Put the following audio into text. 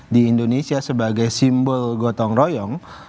di indonesia sebagai simbol gotong royong